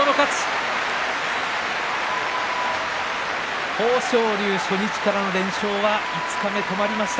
拍手豊昇龍、初日からの連勝は五日目に止まりました。